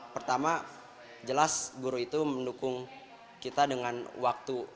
pertama jelas guru itu mendukung kita dengan waktu dan waktu yang cukup